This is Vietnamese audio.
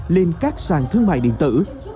lên các sàn thương mại điện tử